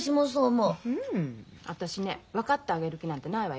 ううん私ね分かってあげる気なんてないわよ。